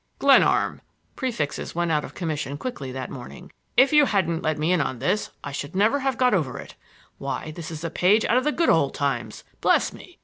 "Glenarm,"—prefixes went out of commission quickly that morning,—"if you hadn't let me in on this I should never have got over it. Why, this is a page out of the good old times! Bless me!